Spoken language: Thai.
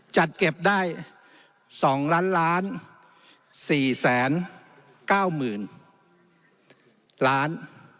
จัดเก็บได้สองล้านล้านสี่แสนเก้าหมื่นล้าน